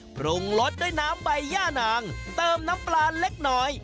ปรุงรสด้วยน้ำใบย่านางเติมน้ำปลาเล็กน้อย